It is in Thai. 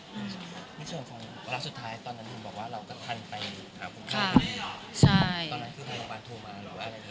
ตอนนั้นคือทางโรงพยาบาลโทรมาหรือเปล่า